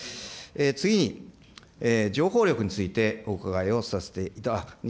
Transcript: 次に情報力について、お伺いをさせていただきます。